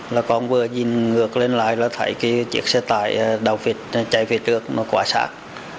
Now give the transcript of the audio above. là con vừa nhìn ngược lên lại là thấy chiếc xe tải đào vịt chạy phía trước nó quả sát